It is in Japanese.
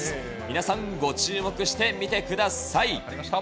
皆さんご注目して見てください。